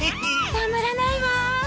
たまらないわ。